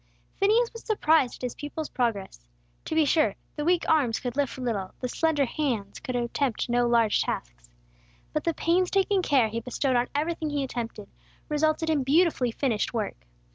Phineas was surprised at his pupil's progress. To be sure, the weak arms could lift little, the slender hands could attempt no large tasks. But the painstaking care he bestowed on everything he attempted, resulted in beautifully finished work.